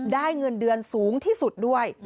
เงินเดือนสูงที่สุดด้วย